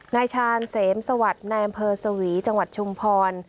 นายชาญเสมสวัสดิ์ในอำเภอสวีจังหวัดชุมพร